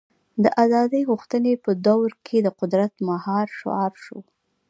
د ازادۍ غوښتنې په دور کې د قدرت مهار شعار شو.